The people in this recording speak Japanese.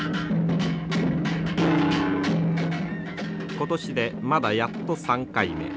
今年でまだやっと３回目。